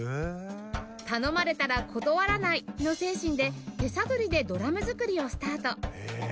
「頼まれたら断らない」の精神で手探りでドラム作りをスタート